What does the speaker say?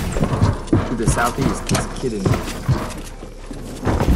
To the southeast is Kidinnu.